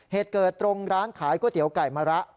เหตุเกิดตรงร้านขายก๋วยเตี๋ยวไก่มะระ